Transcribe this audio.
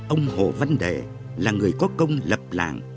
ông hồ văn đệ là người có công lập lạng